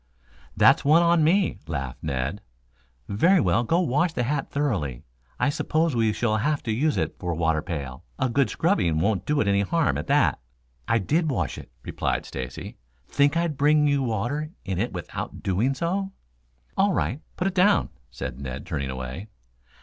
"That's one on me," laughed Ned. "Very well, go wash the hat thoroughly. I suppose we shall have to use it for a water pail. A good scrubbing won't do it any harm, at that." "I did wash it," replied Stacy. "Think I'd bring you water in it without doing so?" "All right, put it down," said Ned, turning away.